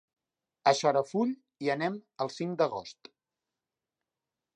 A Xarafull hi anem el cinc d'agost.